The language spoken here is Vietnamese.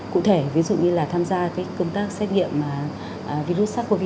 cụ thể ví dụ như là tham gia công tác xét nghiệm virus sars cov hai